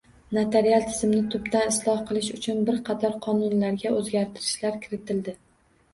Notarial tizimni tubdan isloh qilish uchun bir qator qonunlarga o'zgartirishlar kiritildi